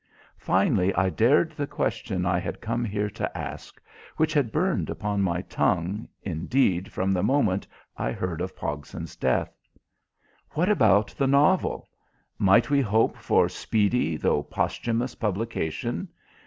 Finally I dared the question I had come here to ask, which had burned upon my tongue, indeed, from the moment I heard of Pogson's death. "What about the novel? Might we hope for speedy, though posthumous, publication?